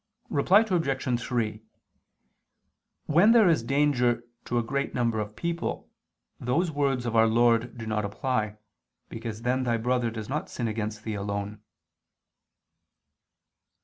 Reply Obj. 3: When there is danger to a great number of people, those words of Our Lord do not apply, because then thy brother does not sin against thee alone.